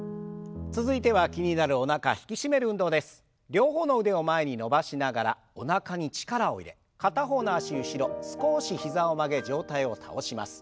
両方の腕を前に伸ばしながらおなかに力を入れ片方の脚後ろ少し膝を曲げ上体を倒します。